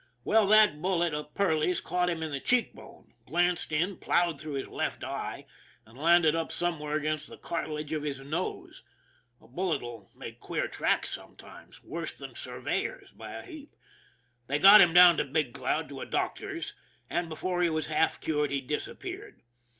Well, that bullet of Perley's caught him on the cheek bone, glanced in, plowed through his left eye, and landed up some where against the cartilage of his nose a bullet will make queer tracks sometimes, worse than surveyors by a heap. They got him down to Big Cloud to a doc tor's, and before he was half cured he disappeared.